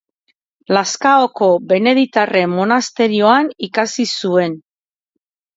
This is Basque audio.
Lazkaoko Beneditarren monasterioan ikasi zuen.